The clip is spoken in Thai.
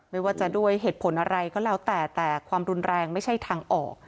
ไม่ว่าจะด้วยเหตุผลอะไรก็แล้วแต่แต่ความรุนแรงไม่ใช่ทางออก